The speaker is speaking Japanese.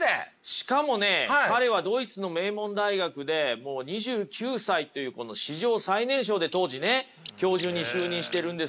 しかもね彼はドイツの名門大学でもう２９歳というこの史上最年少で当時ね教授に就任してるんですよ。